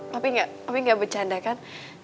papi gak bercanda kan